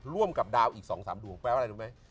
ร่วมกับดาวอีก๒๓ดวงแปลว่าอะไรรู้ไหม